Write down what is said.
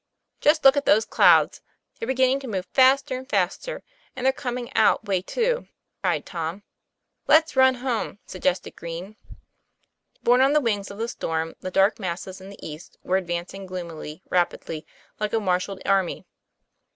'Just look at those clouds; they're beginning to move faster and faster; and they're coming our way too," cried Tom. 4 Let's run home," suggested Green. Borne on the wings of the storm, the dark masses in the east were advancing gloomily, rapidly, like a marshalled army.